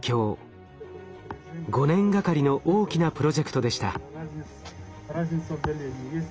５年がかりの大きなプロジェクトでした。